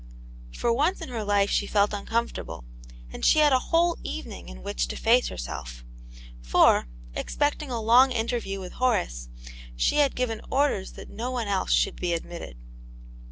For once in her life she felt uncomfortable, and she had a whole evening in which to face herself; for, expecting a long interview with Horace, she had given orders that no one else should be ad mitted.